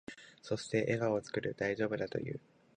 そして、笑顔を作る。大丈夫だと言う。